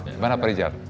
bagaimana pak rejar